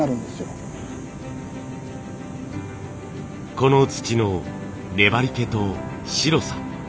この土の粘りけと白さ。